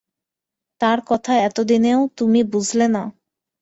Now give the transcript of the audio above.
তার কথা এত দিনেও তুমি বুঝলে না।